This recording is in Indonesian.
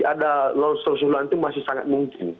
ada longsor susulan itu masih sangat mungkin